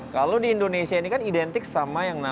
kalau di indonesia ini kan identik sama yang namanya